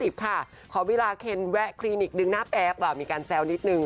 ขอเวลาเคนแวะคลินิกดึงหน้าแป๊บมีการแซวนิดนึง